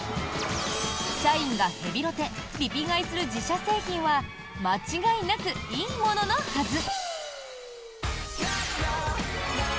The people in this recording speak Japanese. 社員がヘビロテ・リピ買いする自社製品は間違いなくいいもののはず！